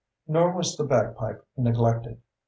Nor was the bagpipe neglected.